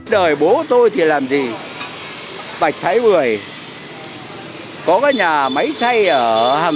nhà hồng nhân văn hận